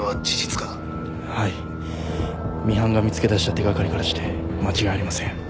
ミハンが見つけだした手掛かりからして間違いありません。